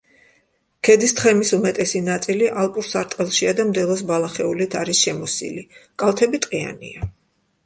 ქედის თხემის უმეტესი ნაწილი ალპურ სარტყელშია და მდელოს ბალახეულით არის შემოსილი, კალთები ტყიანია.